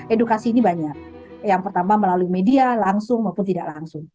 edukasi ini banyak yang pertama melalui media langsung maupun tidak langsung